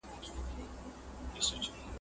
ټوله لار لېوه د شنه ځنگله کیسې کړې !.